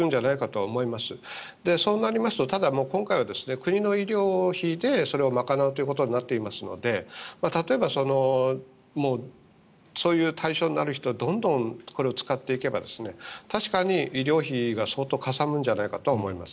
そうなりますとただ今回は国の医療費でそれを賄うということになっていますので例えばそういう対象になる人にどんどんこれを使っていけば確かに医療費が相当かさむんじゃないかとは思います。